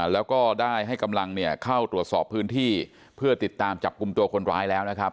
แล้วก็ได้ให้กำลังเข้าตรวจสอบพื้นที่เพื่อติดตามกลุมตัวคนร้าย